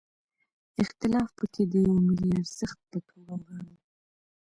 اختلاف پکې د یوه ملي ارزښت په توګه وګڼو.